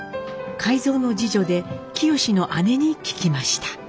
海蔵の次女で清の姉に聞きました。